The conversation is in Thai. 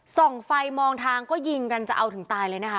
ส่องไฟมองทางก็ยิงกันจะเอาถึงตายเลยนะคะ